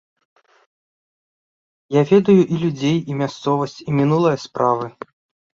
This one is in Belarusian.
Я ведаю і людзей, і мясцовасць, і мінулыя справы.